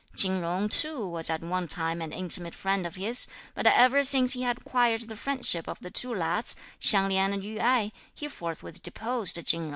Chin Jung too was at one time an intimate friend of his, but ever since he had acquired the friendship of the two lads, Hsiang Lin and Yü Ai, he forthwith deposed Chin Jung.